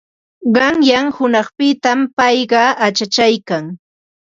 Qayna hunanpitam payqa achachaykan.